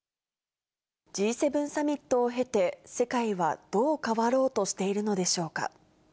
Ｇ７サミットを経て、世界はどう変わろうとしているのでしょうか。